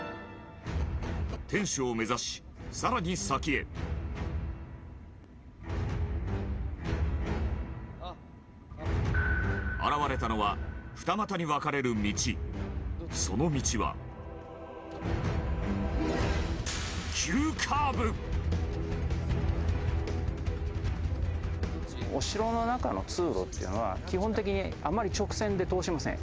天守を目指し、更に先へ現れたのは二股に分かれる道その道はお城の中の通路っていうのは基本的にあんまり直線で通しません。